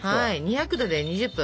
２００℃で２０分。